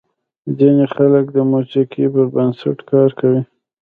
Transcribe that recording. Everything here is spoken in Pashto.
ځینې خلک د موسیقۍ پر بنسټ کار کوي.